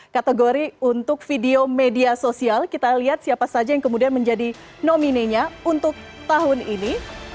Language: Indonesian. kategori untuk video media sosial kita lihat siapa saja yang kemudian menjadi nominenya untuk tahun ini